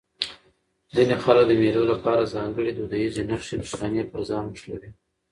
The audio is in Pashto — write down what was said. ځيني خلک د مېلو له پاره ځانګړي دودیزې نخښي نښانې پر ځان موښلوي.